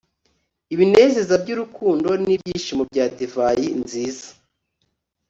ibinezeza by'urukundo n'ibyishimo bya divayi nziza